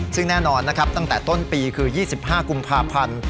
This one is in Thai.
ซึ่งแน่นอนนะครับตั้งแต่ต้นปีคือ๒๕กุมภาพันธ์